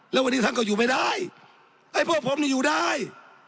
แล้ววันนี้ท่านก็อยู่ไม่ได้ไอ้พวกผมนี่อยู่ได้